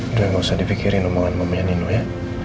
udah gak usah dipikirin omongan mamanya nino ya